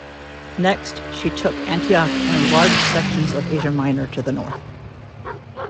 Next, she took Antioch and large sections of Asia Minor to the north.